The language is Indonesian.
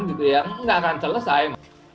nggak akan selesai